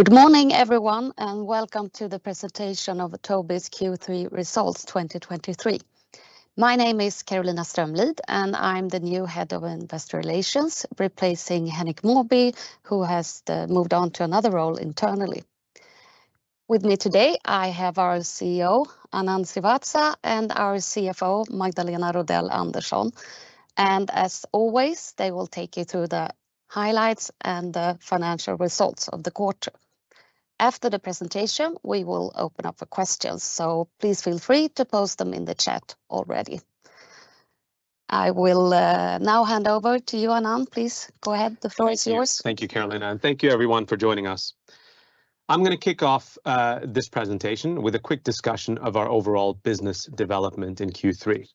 Good morning, everyone, and welcome to the presentation of Tobii's Q3 Results 2023. My name is Carolina Strömlid, and I'm the new Head of Investor Relations, replacing Henrik Mawby, who has moved on to another role internally. With me today, I have our CEO, Anand Srivatsa, and our CFO, Magdalena Rodell Andersson, and as always, they will take you through the highlights and the financial results of the quarter. After the presentation, we will open up for questions, so please feel free to post them in the chat already. I will now hand over to you, Anand. Please go ahead. The floor is yours. Thank you, Carolina, and thank you everyone for joining us. I'm gonna kick off this presentation with a quick discussion of our overall business development in Q3.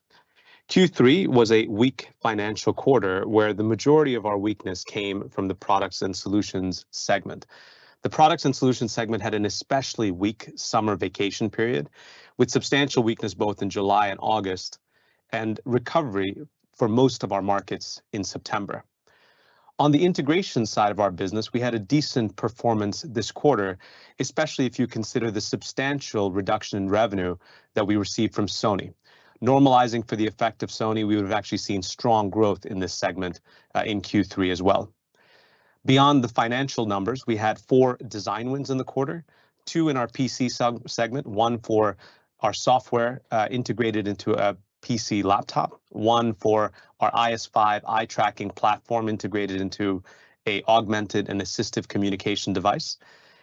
Q3 was a weak financial quarter, where the majority of our weakness came from the products and solutions segment. The products and solutions segment had an especially weak summer vacation period, with substantial weakness both in July and August, and recovery for most of our markets in September. On the integration side of our business, we had a decent performance this quarter, especially if you consider the substantial reduction in revenue that we received from Sony. Normalizing for the effect of Sony, we would have actually seen strong growth in this segment in Q3 as well. Beyond the financial numbers, we had four design wins in the quarter, two in our PC segment, one for our software integrated into a PC laptop, one for our IS5 eye-tracking platform, integrated into an augmented and assistive communication device,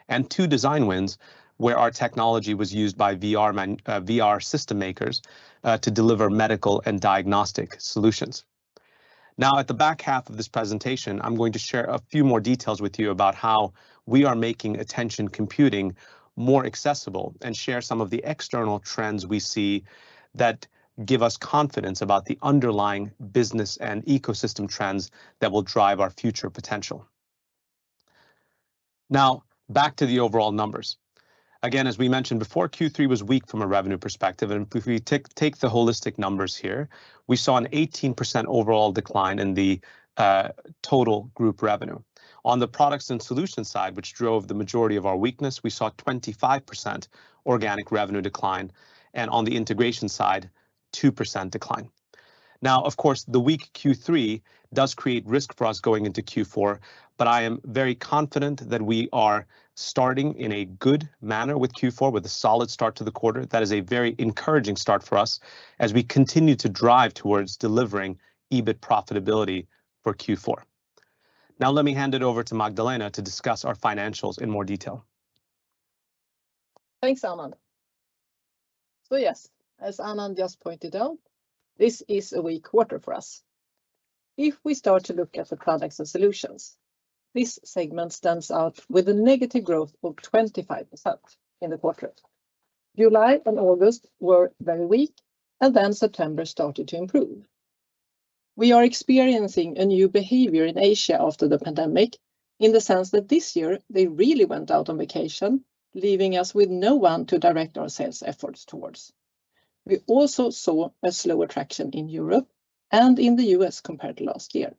and two design wins where our technology was used by VR system makers to deliver medical and diagnostic solutions. Now, at the back half of this presentation, I'm going to share a few more details with you about how we are making attention computing more accessible and share some of the external trends we see that give us confidence about the underlying business and ecosystem trends that will drive our future potential. Now, back to the overall numbers. Again, as we mentioned before, Q3 was weak from a revenue perspective, and if we take the holistic numbers here, we saw an 18% overall decline in the total group revenue. On the products and solutions side, which drove the majority of our weakness, we saw 25% organic revenue decline, and on the integration side, 2% decline. Now, of course, the weak Q3 does create risk for us going into Q4, but I am very confident that we are starting in a good manner with Q4, with a solid start to the quarter. That is a very encouraging start for us as we continue to drive towards delivering EBIT profitability for Q4. Now let me hand it over to Magdalena to discuss our financials in more detail. Thanks, Anand. So yes, as Anand just pointed out, this is a weak quarter for us. If we start to look at the products and solutions, this segment stands out with a negative growth of 25% in the quarter. July and August were very weak, and then September started to improve. We are experiencing a new behavior in Asia after the pandemic, in the sense that this year, they really went out on vacation, leaving us with no one to direct our sales efforts towards. We also saw a slower traction in Europe and in the U.S. compared to last year.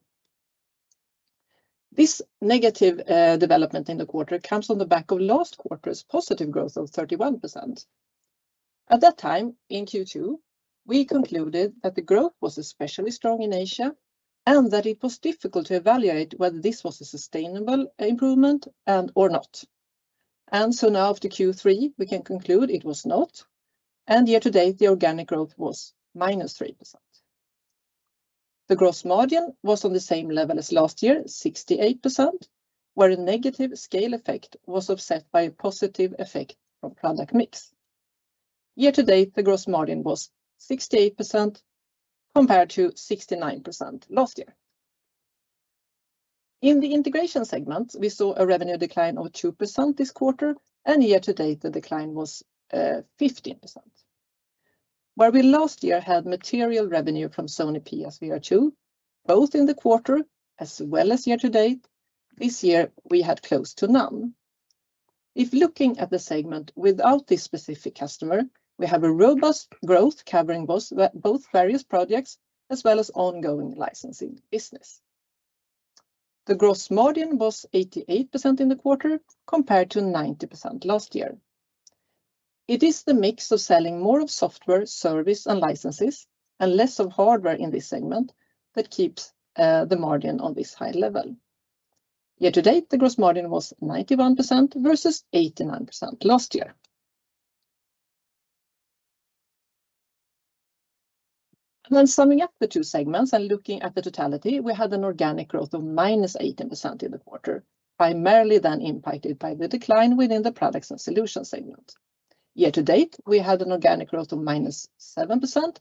This negative development in the quarter comes on the back of last quarter's positive growth of 31%. At that time, in Q2, we concluded that the growth was especially strong in Asia and that it was difficult to evaluate whether this was a sustainable improvement and or not. So now after Q3, we can conclude it was not, and year to date, the organic growth was -3%. The gross margin was on the same level as last year, 68%, where a negative scale effect was offset by a positive effect from product mix. Year-to-date, the gross margin was 68%, compared to 69% last year. In the integration segment, we saw a revenue decline of 2% this quarter, and year-to-date, the decline was 15%. Where we last year had material revenue from Sony PSVR 2, both in the quarter as well as year-to-date, this year, we had close to none. If looking at the segment without this specific customer, we have a robust growth covering both, both various projects as well as ongoing licensing business. The gross margin was 88% in the quarter, compared to 90% last year. It is the mix of selling more of software, service, and licenses and less of hardware in this segment that keeps the margin on this high level. Year-to-date, the gross margin was 91% versus 89% last year. When summing up the two segments and looking at the totality, we had an organic growth of -18% in the quarter, primarily then impacted by the decline within the products and solutions segment. Year to date, we had an organic growth of -7%,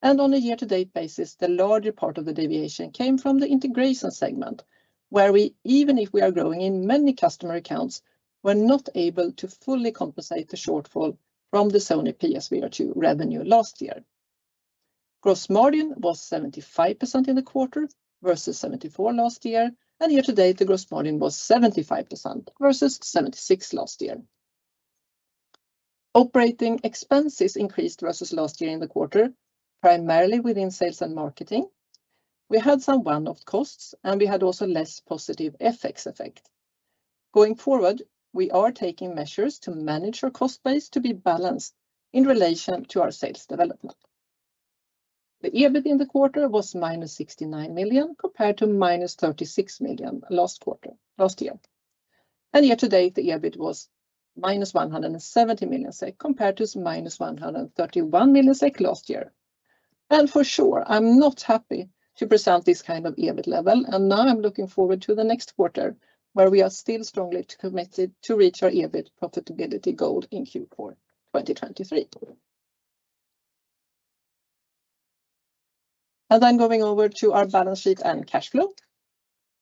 and on a year-to-date basis, the larger part of the deviation came from the integration segment, where we, even if we are growing in many customer accounts, were not able to fully compensate the shortfall from the Sony PSVR 2 revenue last year. Gross margin was 75% in the quarter versus 74% last year, and year-to-date, the gross margin was 75% versus 76% last year. Operating expenses increased versus last year in the quarter, primarily within sales and marketing. We had some one-off costs, and we had also less positive FX effect. Going forward, we are taking measures to manage our cost base to be balanced in relation to our sales development. The EBIT in the quarter was -69 million, compared to -36 million last quarter, last year. Year to date, the EBIT was -170 million SEK, compared to -131 million SEK last year. For sure, I'm not happy to present this kind of EBIT level, and now I'm looking forward to the next quarter, where we are still strongly committed to reach our EBIT profitability goal in Q4 2023. Then going over to our balance sheet and cash flow.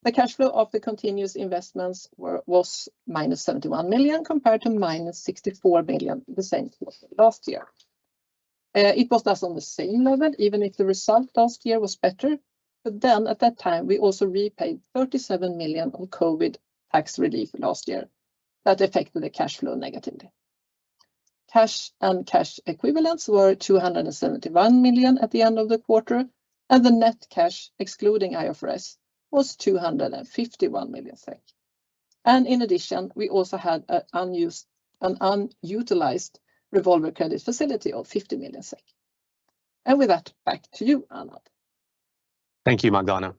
The cash flow of the continuous investments was -71 million, compared to -64 million the same quarter last year. It was thus on the same level, even if the result last year was better, but then at that time, we also repaid 37 million on COVID tax relief last year. That affected the cash flow negatively. Cash and cash equivalents were 271 million at the end of the quarter, and the net cash, excluding IFRS, was 251 million SEK. In addition, we also had an unutilized revolver credit facility of 50 million SEK. With that, back to you, Anand. Thank you, Magda.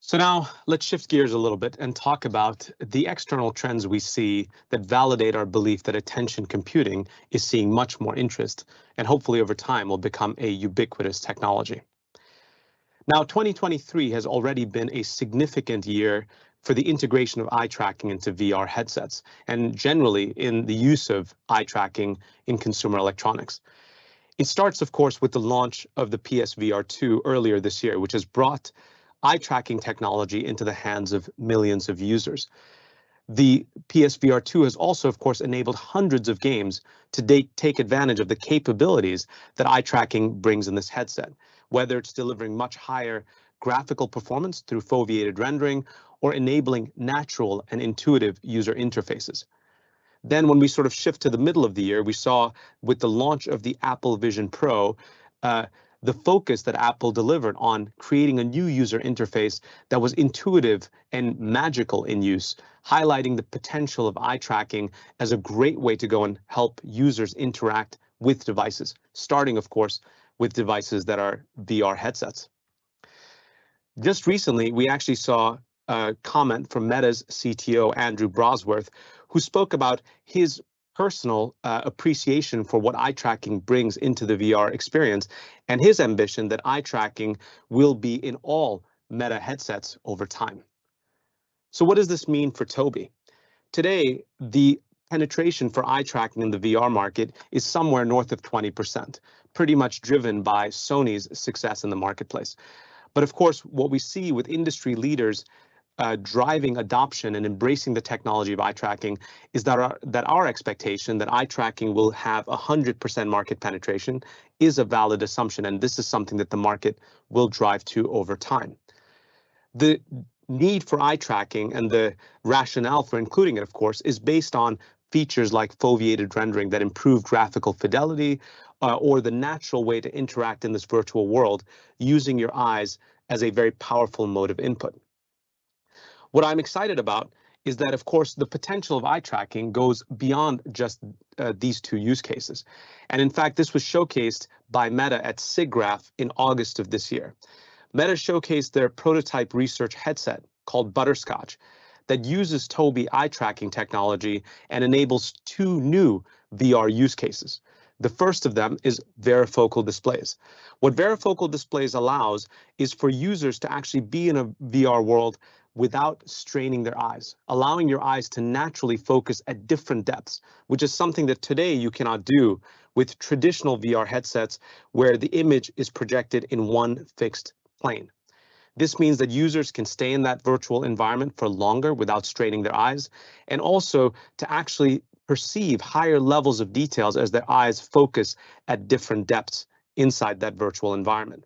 So now let's shift gears a little bit and talk about the external trends we see that validate our belief that attention computing is seeing much more interest, and hopefully over time will become a ubiquitous technology. Now, 2023 has already been a significant year for the integration of eye tracking into VR headsets, and generally in the use of eye tracking in consumer electronics. It starts, of course, with the launch of the PSVR 2 earlier this year, which has brought eye-tracking technology into the hands of millions of users. The PSVR 2 has also, of course, enabled hundreds of games to date take advantage of the capabilities that eye tracking brings in this headset, whether it's delivering much higher graphical performance through foveated rendering or enabling natural and intuitive user interfaces. Then when we sort of shift to the middle of the year, we saw with the launch of the Apple Vision Pro, the focus that Apple delivered on creating a new user interface that was intuitive and magical in use, highlighting the potential of eye tracking as a great way to go and help users interact with devices, starting, of course, with devices that are VR headsets. Just recently, we actually saw a comment from Meta's CTO, Andrew Bosworth, who spoke about his personal appreciation for what eye tracking brings into the VR experience and his ambition that eye tracking will be in all Meta headsets over time. So what does this mean for Tobii? Today, the penetration for eye tracking in the VR market is somewhere north of 20%, pretty much driven by Sony's success in the marketplace. But of course, what we see with industry leaders driving adoption and embracing the technology of eye tracking is that our, that our expectation that eye tracking will have 100% market penetration is a valid assumption, and this is something that the market will drive to over time. The need for eye tracking and the rationale for including it, of course, is based on features like foveated rendering that improve graphical fidelity or the natural way to interact in this virtual world, using your eyes as a very powerful mode of input. What I'm excited about is that, of course, the potential of eye tracking goes beyond just these two use cases, and in fact, this was showcased by Meta at SIGGRAPH in August of this year. Meta showcased their prototype research headset, called Butterscotch, that uses Tobii eye tracking technology and enables two new VR use cases. The first of them is varifocal displays. What varifocal displays allows is for users to actually be in a VR world without straining their eyes, allowing your eyes to naturally focus at different depths, which is something that today you cannot do with traditional VR headsets, where the image is projected in one fixed plane. This means that users can stay in that virtual environment for longer without straining their eyes, and also to actually perceive higher levels of details as their eyes focus at different depths inside that virtual environment.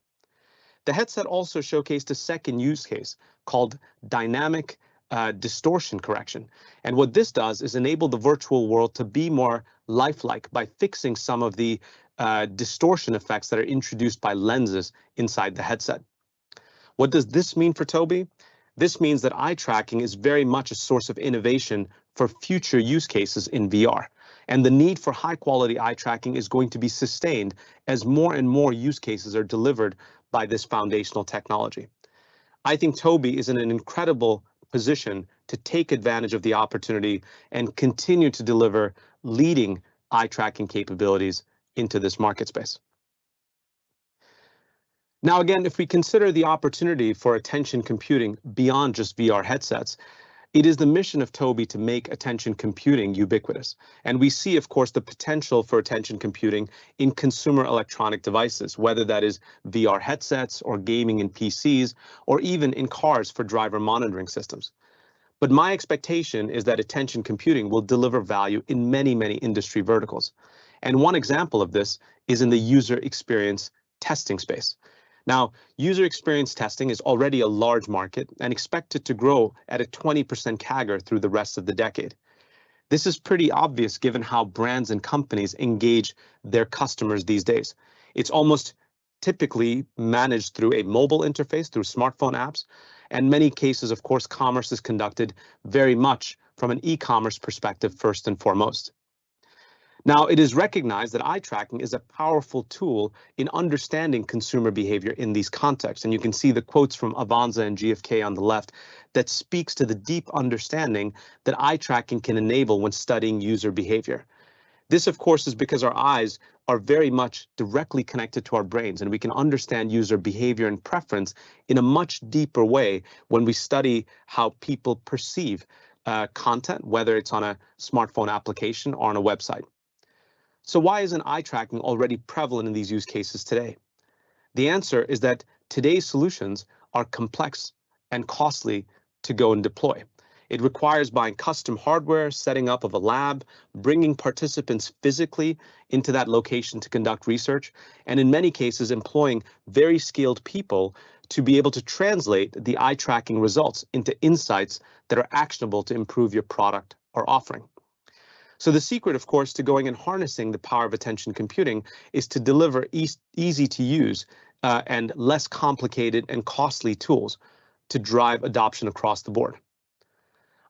The headset also showcased a second use case called dynamic distortion correction. What this does is enable the virtual world to be more lifelike by fixing some of the distortion effects that are introduced by lenses inside the headset. What does this mean for Tobii? This means that eye tracking is very much a source of innovation for future use cases in VR, and the need for high-quality eye tracking is going to be sustained as more and more use cases are delivered by this foundational technology. I think Tobii is in an incredible position to take advantage of the opportunity and continue to deliver leading eye-tracking capabilities into this market space. Now, again, if we consider the opportunity for attention computing beyond just VR headsets, it is the mission of Tobii to make attention computing ubiquitous. We see, of course, the potential for attention computing in consumer electronic devices, whether that is VR headsets, or gaming in PCs, or even in cars for driver monitoring systems. But my expectation is that attention computing will deliver value in many, many industry verticals, and one example of this is in the user experience testing space. Now, user experience testing is already a large market and expected to grow at a 20% CAGR through the rest of the decade. This is pretty obvious, given how brands and companies engage their customers these days. It's almost typically managed through a mobile interface, through smartphone apps, and many cases, of course, commerce is conducted very much from an e-commerce perspective, first and foremost. Now, it is recognized that eye-tracking is a powerful tool in understanding consumer behavior in these contexts, and you can see the quotes from Avanza and GfK on the left that speaks to the deep understanding that eye-tracking can enable when studying user behavior. This, of course, is because our eyes are very much directly connected to our brains, and we can understand user behavior and preference in a much deeper way when we study how people perceive content, whether it's on a smartphone application or on a website. So why isn't eye-tracking already prevalent in these use cases today? The answer is that today's solutions are complex and costly to go and deploy. It requires buying custom hardware, setting up of a lab, bringing participants physically into that location to conduct research, and in many cases, employing very skilled people to be able to translate the eye-tracking results into insights that are actionable to improve your product or offering. So the secret, of course, to going and harnessing the power of attention computing is to deliver easy to use and less complicated and costly tools to drive adoption across the board.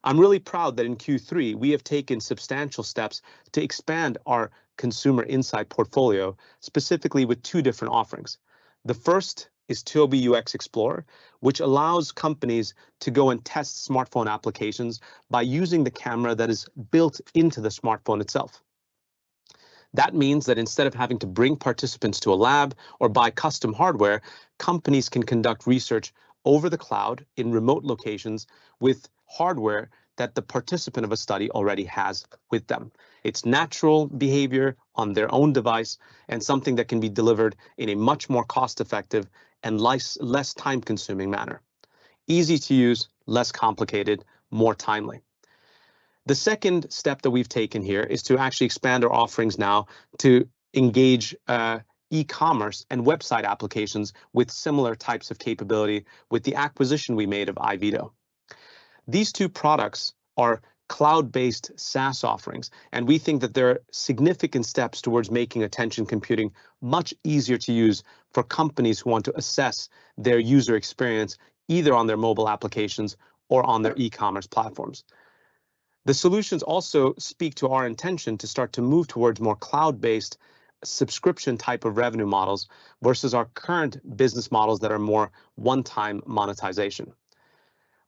I'm really proud that in Q3, we have taken substantial steps to expand our consumer insight portfolio, specifically with two different offerings. The first is Tobii UX Explore, which allows companies to go and test smartphone applications by using the camera that is built into the smartphone itself. That means that instead of having to bring participants to a lab or buy custom hardware, companies can conduct research over the cloud in remote locations with hardware that the participant of a study already has with them. It's natural behavior on their own device, and something that can be delivered in a much more cost-effective and less time-consuming manner. Easy to use, less complicated, more timely. The second step that we've taken here is to actually expand our offerings now to engage e-commerce and website applications with similar types of capability with the acquisition we made of EYEVIDO. These two products are cloud-based SaaS offerings, and we think that they're significant steps towards making attention computing much easier to use for companies who want to assess their user experience, either on their mobile applications or on their e-commerce platforms. The solutions also speak to our intention to start to move toward more cloud-based subscription type of revenue models versus our current business models that are more one-time monetization.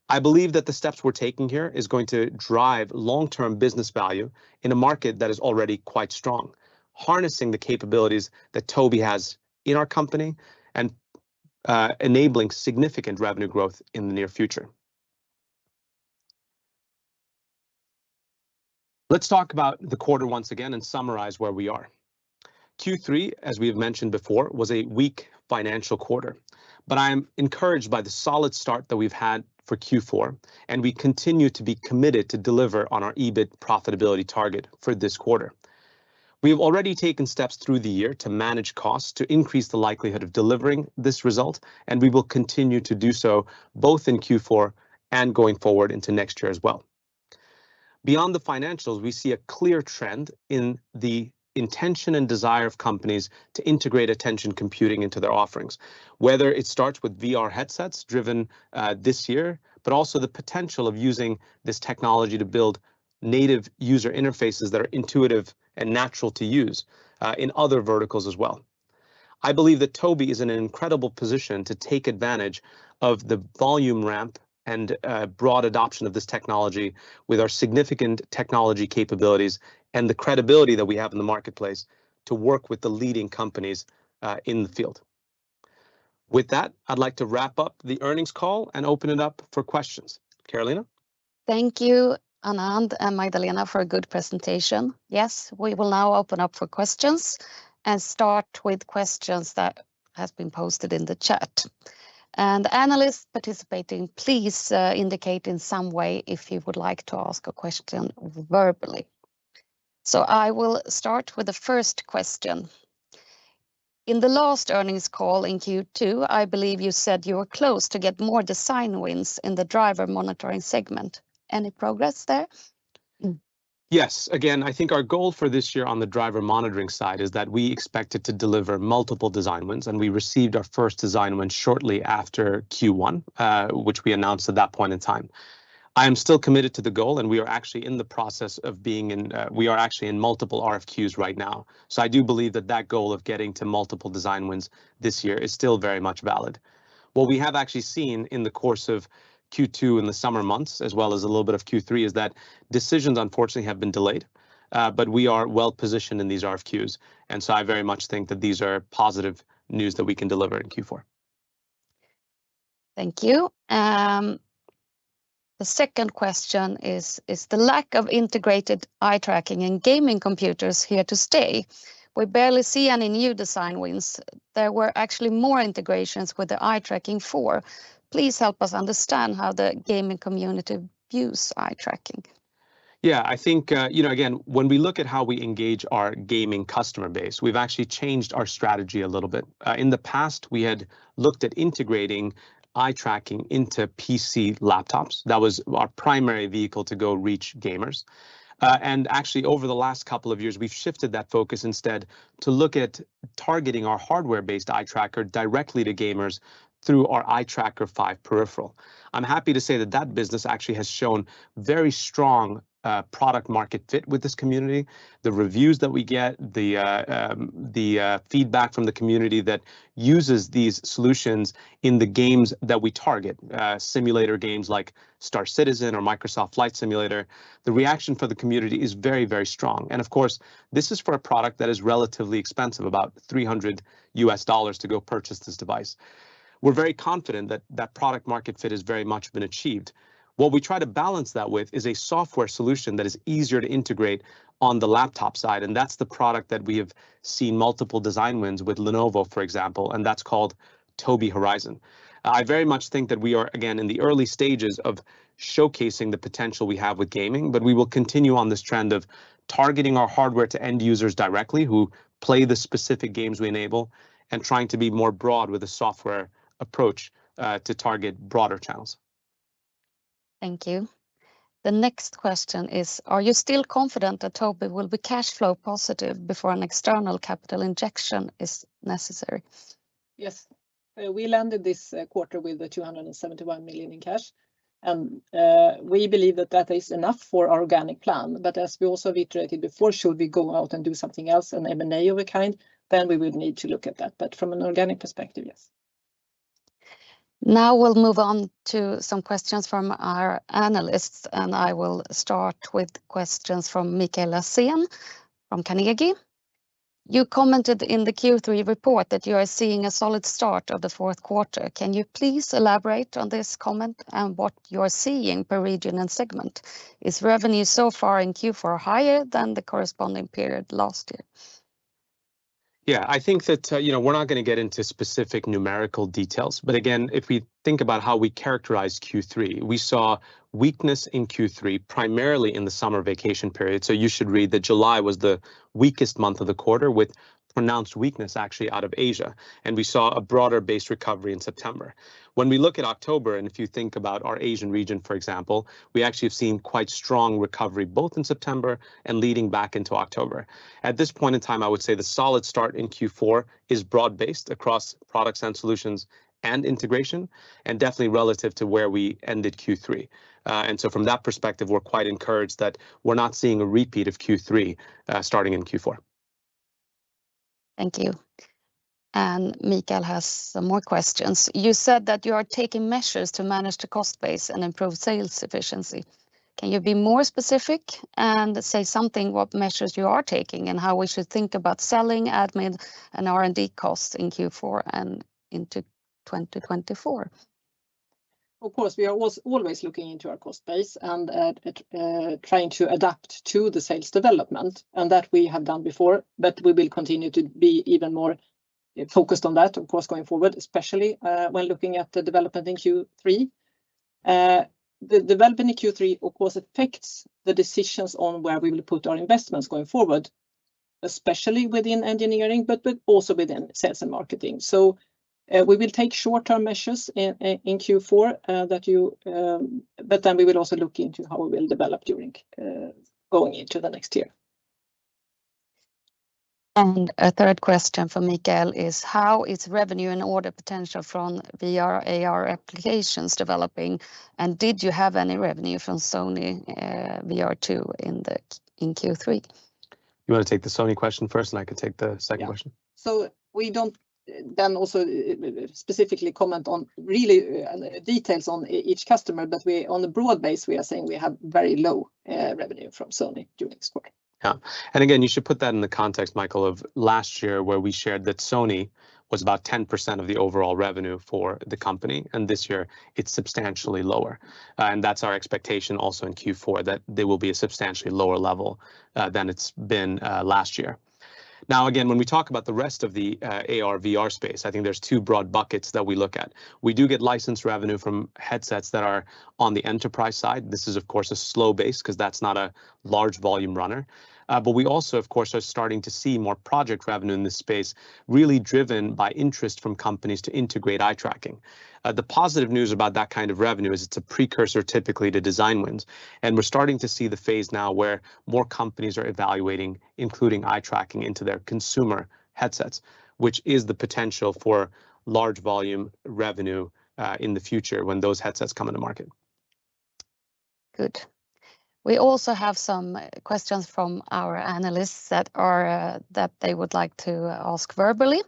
I believe that the steps we're taking here is going to drive long-term business value in a market that is already quite strong, harnessing the capabilities that Tobii has in our company and enabling significant revenue growth in the near future. Let's talk about the quarter once again and summarize where we are. Q3, as we've mentioned before, was a weak financial quarter, but I'm encouraged by the solid start that we've had for Q4, and we continue to be committed to deliver on our EBIT profitability target for this quarter. We've already taken steps through the year to manage costs to increase the likelihood of delivering this result, and we will continue to do so, both in Q4 and going forward into next year as well. Beyond the financials, we see a clear trend in the intention and desire of companies to integrate attention computing into their offerings, whether it starts with VR headsets driven this year, but also the potential of using this technology to build native user interfaces that are intuitive and natural to use in other verticals as well. I believe that Tobii is in an incredible position to take advantage of the volume ramp and broad adoption of this technology with our significant technology capabilities and the credibility that we have in the marketplace to work with the leading companies in the field. With that, I'd like to wrap up the earnings call and open it up for questions. Carolina? Thank you, Anand and Magdalena, for a good presentation. Yes, we will now open up for questions and start with questions that have been posted in the chat. Analysts participating, please, indicate in some way if you would like to ask a question verbally. I will start with the first question: "In the last earnings call in Q2, I believe you said you were close to get more design wins in the driver monitoring segment. Any progress there?" Yes. Again, I think our goal for this year on the driver monitoring side is that we expected to deliver multiple design wins, and we received our first design win shortly after Q1, which we announced at that point in time. I am still committed to the goal, and we are actually in multiple RFQs right now. So I do believe that that goal of getting to multiple design wins this year is still very much valid. What we have actually seen in the course of Q2, in the summer months, as well as a little bit of Q3, is that decisions, unfortunately, have been delayed. But we are well positioned in these RFQs, and so I very much think that these are positive news that we can deliver in Q4. Thank you. The second question is: "Is the lack of integrated eye-tracking in gaming computers here to stay? We barely see any new design wins. There were actually more integrations with the Eye Tracking 4. Please help us understand how the gaming community views eye tracking. Yeah, I think, you know, again, when we look at how we engage our gaming customer base, we've actually changed our strategy a little bit. In the past, we had looked at integrating eye tracking into PC laptops. That was our primary vehicle to go reach gamers. And actually over the last couple of years, we've shifted that focus instead to targeting our hardware-based eye tracker directly to gamers through our Eye Tracker 5 peripheral. I'm happy to say that that business actually has shown very strong product market fit with this community. The reviews that we get, the feedback from the community that uses these solutions in the games that we target, simulator games like Star Citizen or Microsoft Flight Simulator, the reaction for the community is very, very strong. Of course, this is for a product that is relatively expensive, about $300 to go purchase this device. We're very confident that that product market fit has very much been achieved. What we try to balance that with is a software solution that is easier to integrate on the laptop side, and that's the product that we have seen multiple design wins with Lenovo, for example, and that's called Tobii Horizon. I very much think that we are, again, in the early stages of showcasing the potential we have with gaming, but we will continue on this trend of targeting our hardware to end users directly who play the specific games we enable, and trying to be more broad with a software approach to target broader channels. Thank you. The next question is, are you still confident that Tobii will be cash flow positive before an external capital injection is necessary? Yes. We landed this quarter with 271 million in cash, and we believe that that is enough for organic plan. But as we also reiterated before, should we go out and do something else, an M&A of a kind, then we would need to look at that. But from an organic perspective, yes. Now we'll move on to some questions from our analysts, and I will start with questions from Mikael Laséen from Carnegie. You commented in the Q3 report that you are seeing a solid start of the fourth quarter. Can you please elaborate on this comment and what you are seeing per region and segment? Is revenue so far in Q4 higher than the corresponding period last year? Yeah, I think that, you know, we're not gonna get into specific numerical details, but again, if we think about how we characterize Q3, we saw weakness in Q3, primarily in the summer vacation period. So you should read that July was the weakest month of the quarter, with pronounced weakness actually out of Asia, and we saw a broader base recovery in September. When we look at October, and if you think about our Asian region, for example, we actually have seen quite strong recovery, both in September and leading back into October. At this point in time, I would say the solid start in Q4 is broad-based across products and solutions and integration, and definitely relative to where we ended Q3. And so from that perspective, we're quite encouraged that we're not seeing a repeat of Q3, starting in Q4. Thank you. And Mikael has some more questions. You said that you are taking measures to manage the cost base and improve sales efficiency. Can you be more specific and say something, what measures you are taking, and how we should think about selling, admin, and R&D costs in Q4 and into 2024? Of course, we are always looking into our cost base and trying to adapt to the sales development, and that we have done before, but we will continue to be even more focused on that, of course, going forward, especially when looking at the development in Q3. The development in Q3, of course, affects the decisions on where we will put our investments going forward, especially within engineering, but also within sales and marketing. So, we will take short-term measures in Q4 that you... But then we will also look into how we will develop during going into the next year. A third question from Mikael is: How is revenue and order potential from VR/AR applications developing, and did you have any revenue from Sony VR2 in Q3? You wanna take the Sony question first, and I can take the second question? Yeah. So we don't then also specifically comment on really details on each customer, but we, on a broad base, we are saying we have very low revenue from Sony during this quarter. Yeah. And again, you should put that in the context, Mikael, of last year, where we shared that Sony was about 10% of the overall revenue for the company, and this year it's substantially lower. And that's our expectation also in Q4, that they will be a substantially lower level than it's been last year. Now, again, when we talk about the rest of the AR/VR space, I think there's two broad buckets that we look at. We do get licensed revenue from headsets that are on the enterprise side. This is, of course, a slow base, 'cause that's not a large volume runner. But we also, of course, are starting to see more project revenue in this space, really driven by interest from companies to integrate eye tracking. The positive news about that kind of revenue is it's a precursor, typically, to design wins. And we're starting to see the phase now where more companies are evaluating, including eye tracking into their consumer headsets, which is the potential for large volume revenue, in the future when those headsets come into market. Good. We also have some questions from our analysts that are, that they would like to ask verbally.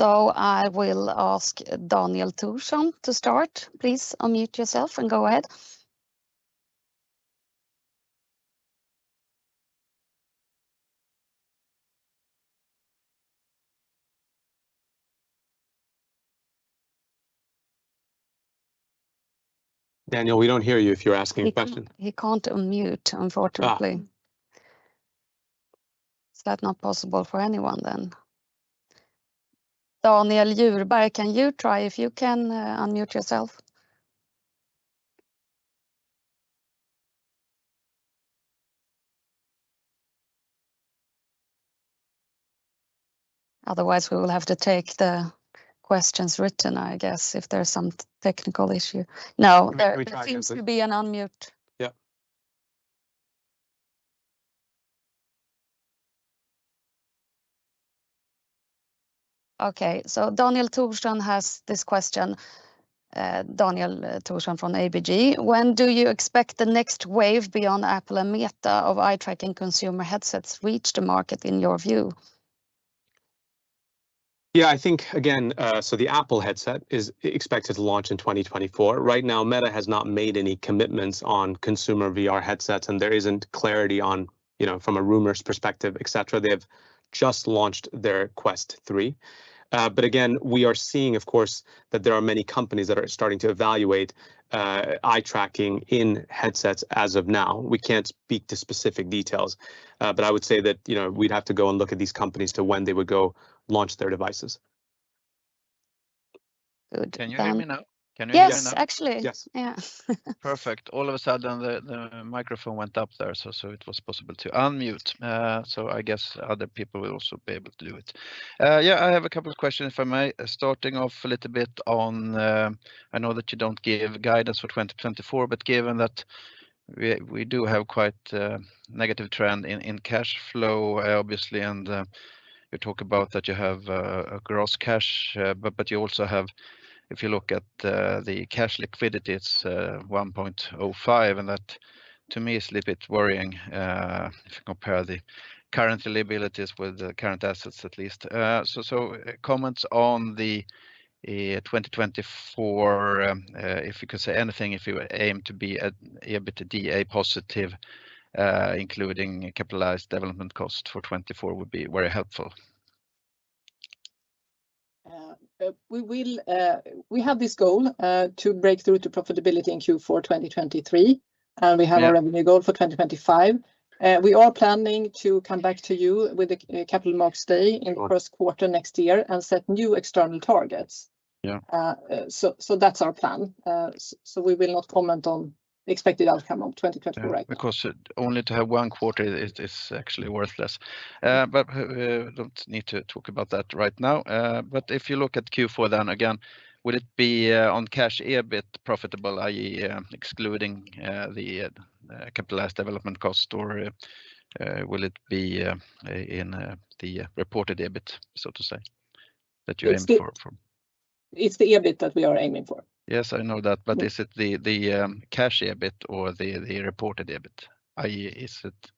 I will ask Daniel Thorsson to start. Please unmute yourself and go ahead. Daniel, we don't hear you if you're asking a question. He can't, he can't unmute, unfortunately. Is that not possible for anyone then? Daniel, can you try, if you can, unmute yourself? Otherwise, we will have to take the questions written, I guess, if there's some technical issue. Now There seems to be an unmute. Yeah. Okay, so Daniel Thorsson has this question, Daniel Thorsson from ABG: "When do you expect the next wave beyond Apple and Meta of eye tracking consumer headsets reach the market, in your view? Yeah, I think, again, so the Apple headset is expected to launch in 2024. Right now, Meta has not made any commitments on consumer VR headsets, and there isn't clarity on, you know, from a rumors perspective, et cetera. They have just launched their Quest 3. But again, we are seeing, of course, that there are many companies that are starting to evaluate eye tracking in headsets as of now. We can't speak to specific details. But I would say that, you know, we'd have to go and look at these companies to when they would go launch their devices. Can you hear me now? Can you hear me now? Yes, actually. Yes. Yeah. Perfect. All of a sudden, the microphone went up there, so it was possible to unmute. So I guess other people will also be able to do it. Yeah, I have a couple of questions, if I may, starting off a little bit on, I know that you don't give guidance for 2024, but given that we do have quite a negative trend in cash flow, obviously, and you talk about that you have a gross cash, but you also have, if you look at the cash liquidity, it's 1.05, and that, to me, is a little bit worrying, if you compare the current liabilities with the current assets, at least. So, comments on the 2024, if you could say anything, if you aim to be at EBITDA positive, including capitalized development cost for 2024, would be very helpful. We will... We have this goal to break through to profitability in Q4 2023, and we have our revenue goal for 2025. We are planning to come back to you with a Capital Markets Day in the first quarter next year and set new external targets. So, so that's our plan. So we will not comment on expected outcome of 2024 right now. Yeah, because only to have one quarter is actually worthless. But don't need to talk about that right now. But if you look at Q4, then again, will it be on cash EBIT profitable, i.e., excluding the capitalized development cost, or will it be in the reported EBIT, so to say, that you aim for? It's the EBIT that we are aiming for. Yes, I know that, but is it the cash EBIT or the reported EBIT? Is it-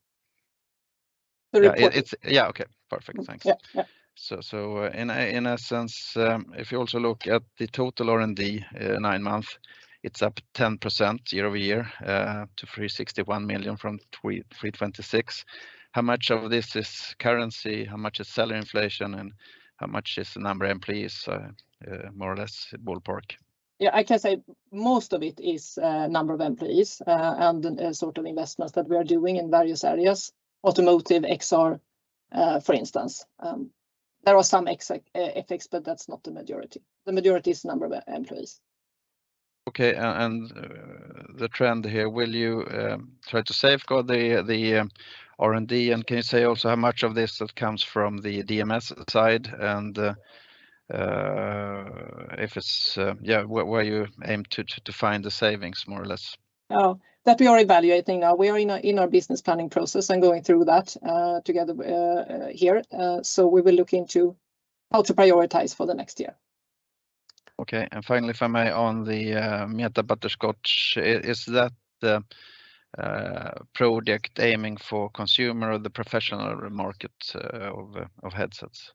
The reported. Yeah, it's... Yeah, okay. Perfect, thanks. Yeah, yeah. In essence, if you also look at the total R&D nine-month, it's up 10% year-over-year to 361 million from 326 million. How much of this is currency? How much is salary inflation, and how much is the number of employees, more or less, ballpark? Yeah, I can say most of it is number of employees and the sort of investments that we are doing in various areas, automotive, XR, for instance. There are some FX, but that's not the majority. The majority is number of employees. Okay, and the trend here, will you try to safeguard the R&D, and can you say also how much of this comes from the DMS side? And if it's... Yeah, where you aim to find the savings, more or less? Oh, that we are evaluating now. We are in our, in our business planning process and going through that, together, here. So we will look into how to prioritize for the next year. Okay, and finally, if I may, on the Meta Butterscotch, is that the project aiming for consumer or the professional market of headsets?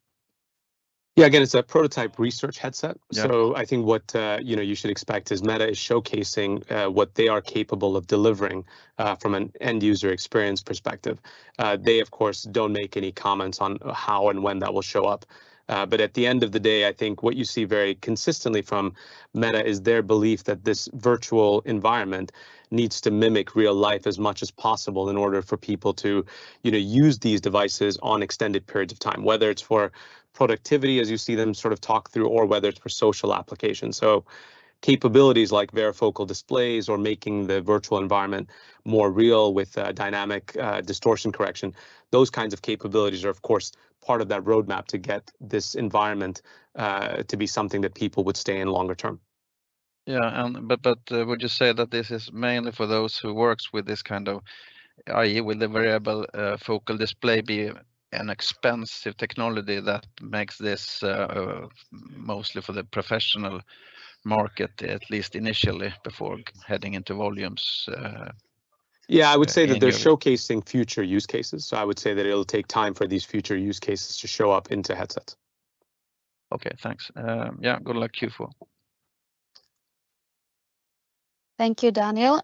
Yeah, again, it's a prototype research headset. Yeah. So I think what, you know, you should expect is Meta is showcasing what they are capable of delivering from an end-user experience perspective. They, of course, don't make any comments on how and when that will show up. But at the end of the day, I think what you see very consistently from Meta is their belief that this virtual environment needs to mimic real life as much as possible in order for people to, you know, use these devices on extended periods of time, whether it's for productivity, as you see them sort of talk through, or whether it's for social applications. Capabilities like varifocal displays or making the virtual environment more real with dynamic distortion correction, those kinds of capabilities are, of course, part of that roadmap to get this environment to be something that people would stay in longer term. Would you say that this is mainly for those who works with this kind of, i.e., with the variable focal display, being an expensive technology that makes this mostly for the professional market, at least initially, before heading into volumes, anyway? Yeah, I would say that they're showcasing future use cases, so I would say that it'll take time for these future use cases to show up into headsets. Okay, thanks. Yeah, good luck, Q4. Thank you, Daniel.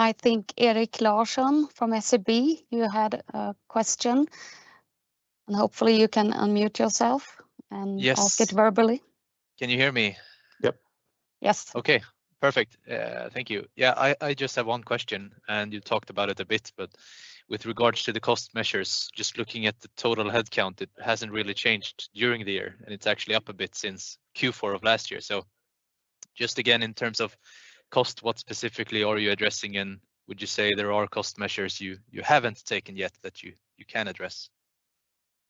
I think Erik Larsson from SEB, you had a question, and hopefully you can unmute yourself and ask it verbally. Yes. Can you hear me? Yep. Yes. Okay, perfect. Thank you. Yeah, I just have one question, and you talked about it a bit, but with regards to the cost measures, just looking at the total headcount, it hasn't really changed during the year, and it's actually up a bit since Q4 of last year. So just again, in terms of cost, what specifically are you addressing, and would you say there are cost measures you haven't taken yet that you can address?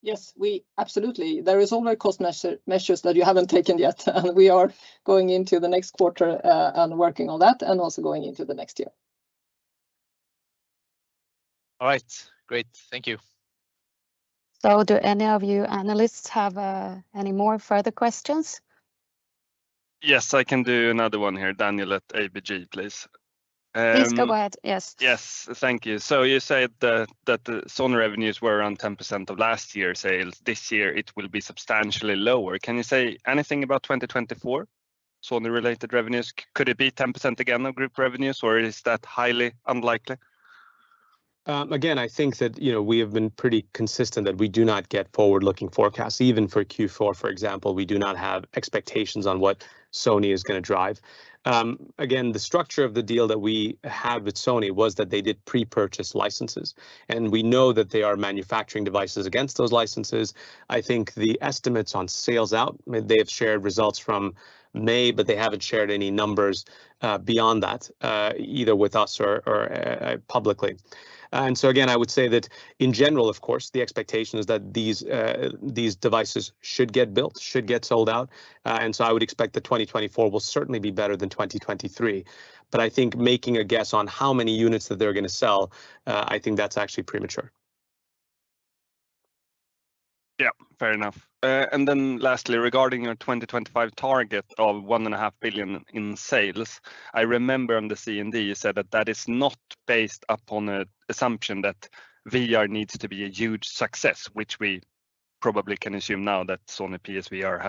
Yes, we absolutely. There is always cost measure, measures that you haven't taken yet, and we are going into the next quarter, and working on that, and also going into the next year. All right. Great, thank you. Do any of you analysts have any more further questions? Yes, I can do another one here. Daniel at ABG, please. Please go ahead, yes. Yes, thank you. So you said that the Sony revenues were around 10% of last year's sales. This year, it will be substantially lower. Can you say anything about 2024 Sony-related revenues? Could it be 10% again of group revenues, or is that highly unlikely? Again, I think that, you know, we have been pretty consistent that we do not get forward-looking forecasts. Even for Q4, for example, we do not have expectations on what Sony is gonna drive. Again, the structure of the deal that we had with Sony was that they did pre-purchase licenses, and we know that they are manufacturing devices against those licenses. I think the estimates on sales out, they have shared results from May, but they haven't shared any numbers beyond that either with us or publicly. And so again, I would say that in general, of course, the expectation is that these devices should get built, should get sold out. And so I would expect that 2024 will certainly be better than 2023. But I think making a guess on how many units that they're gonna sell, I think that's actually premature. Yeah, fair enough. And then lastly, regarding your 2025 target of 1.5 billion in sales, I remember on the CMD, you said that that is not based upon an assumption that VR needs to be a huge success, which we probably can assume now that Sony PSVR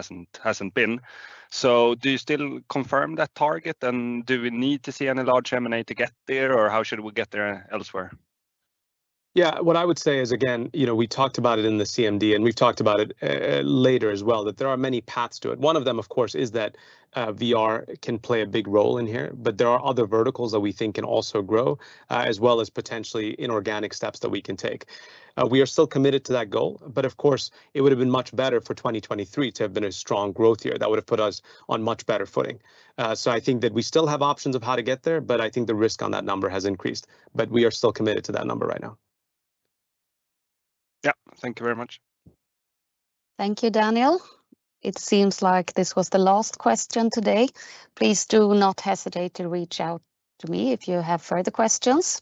hasn't been. So do you still confirm that target, and do we need to see any large M&A to get there, or how should we get there elsewhere? Yeah, what I would say is, again, you know, we talked about it in the CMD, and we've talked about it later as well, that there are many paths to it. One of them, of course, is that VR can play a big role in here, but there are other verticals that we think can also grow, as well as potentially inorganic steps that we can take. We are still committed to that goal, but of course, it would've been much better for 2023 to have been a strong growth year. That would've put us on much better footing. So I think that we still have options of how to get there, but I think the risk on that number has increased. But we are still committed to that number right now. Yeah. Thank you very much. Thank you, Daniel. It seems like this was the last question today. Please do not hesitate to reach out to me if you have further questions.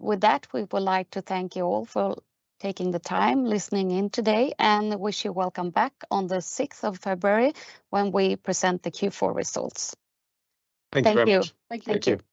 With that, we would like to thank you all for taking the time, listening in today, and wish you welcome back on the 6th of February when we present the Q4 results. Thank you very much. Thank you. Thank you.